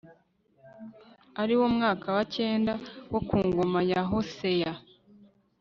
ari wo mwaka wa cyenda wo ku ngoma ya hoseya